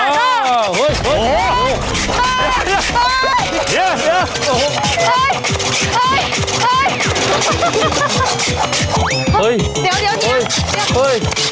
เฮ้ยเดี๋ยวเฮ้ย